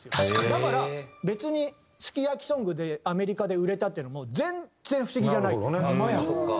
だから別に「スキヤキソング」でアメリカで売れたっていうのも全然不思議じゃないっていうか。